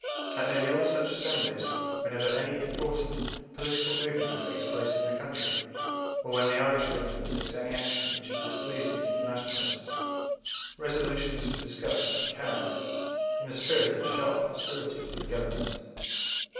At nearly all such assemblies, whenever any important political movement takes place in the country, or when the Irish Government take any action which is displeasing to the Nationalists, resolutions are discussed and carried in a spirit of sharp hostility to the Government.